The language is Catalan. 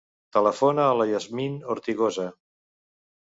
Telefona a la Yasmin Ortigosa.